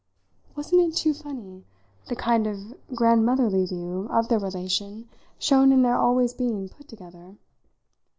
Wasn't it too funny, the kind of grandmotherly view of their relation shown in their always being put together?